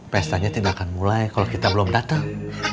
pestanya tidak akan mulai kalau kita belum datang